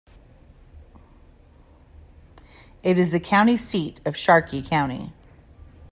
It is the county seat of Sharkey County.